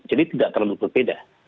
jadi tidak terlalu berbeda